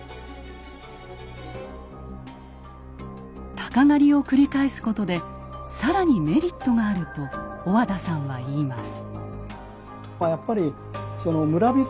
鷹狩を繰り返すことで更にメリットがあると小和田さんは言います。